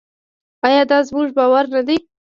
آیا دا زموږ باور نه دی؟